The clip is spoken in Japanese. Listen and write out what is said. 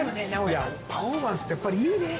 パフォーマンスってやっぱりいいね。